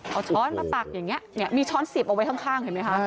เอาช้อนมาตักอย่างนี้มีช้อนเสียบเอาไว้ข้างเห็นไหมคะ